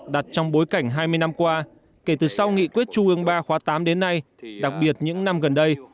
đặt trong bối cảnh hai mươi năm qua kể từ sau nghị quyết trung ương ba khóa tám đến nay đặc biệt những năm gần đây